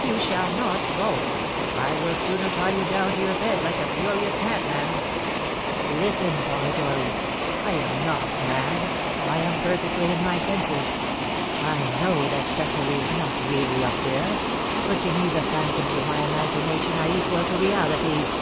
"You shall not go! I will sooner tie you down to your bed like a furious madman!" "Listen, Polidori! I am not mad I am perfectly in my senses. I know that Cecily is not really up there; but to me the phantoms of my imagination are equal to realities."